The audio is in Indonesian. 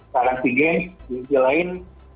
karantina di sisi lain